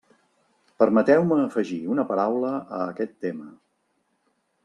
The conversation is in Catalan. Permeteu-me afegir una paraula a aquest tema.